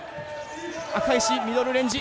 赤石ミドルレンジ。